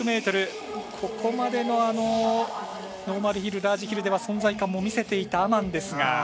ここまでのノーマルヒルラージヒルでは存在感も見せていたアマンですが。